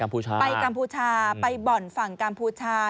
ไปกัมพูชาไปบ่อนฝั่งกัมพูชา